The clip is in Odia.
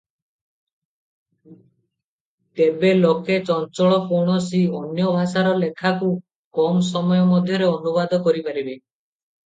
ତେବେ ଲୋକେ ଚଞ୍ଚଳ କୌଣସି ଅନ୍ୟଭାଷାର ଲେଖାକୁ କମ ସମୟ ମଧ୍ୟରେ ଅନୁବାଦ କରିପାରିବେ ।